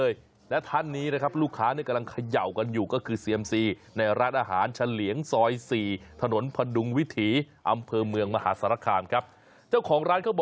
เจ้าของร้านเขาบอกว่า